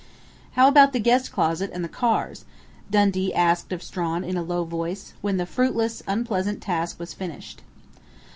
"How about the guest closet and the cars?" Dundee asked of Strawn in a low voice, when the fruitless, unpleasant task was finished.